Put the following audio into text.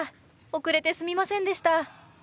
遅れてすみませんでした。